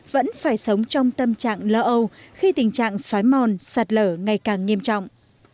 vẫn phải sống trong tâm trạng lỡ âu khi tình trạng xói mòn sạt lở ngày càng nghiêm trọng